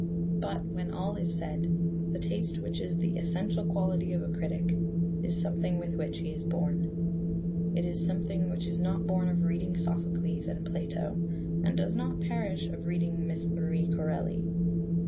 But, when all is said, the taste which is the essential quality of a critic is something with which he is born. It is something which is not born of reading Sophocles and Plato and does not perish of reading Miss Marie Corelli.